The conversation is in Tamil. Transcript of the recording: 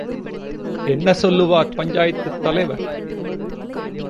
என்ன சொல்லுவார் பஞ்சாயத்துத் தலைவர்.